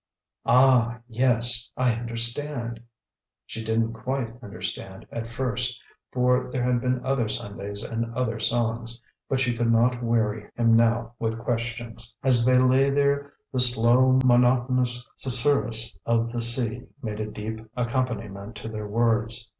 "Ah, yes, I understand." She didn't quite understand, at first; for there had been other Sundays and other songs. But she could not weary him now with questions. As they lay there the slow, monotonous susurrus of the sea made a deep accompaniment to their words.